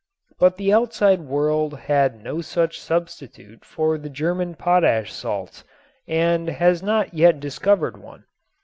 But the outside world had no such substitute for the German potash salts and has not yet discovered one.